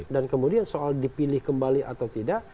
dan kemudian soal dipilih kembali atau tidak